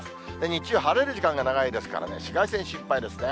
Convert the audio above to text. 日中、晴れる時間が長いですからね、紫外線、心配ですね。